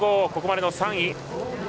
ここまでの３位。